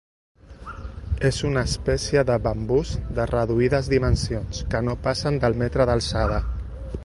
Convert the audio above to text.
És una espècie de bambús de reduïdes dimensions, que no passen del metre d'alçada.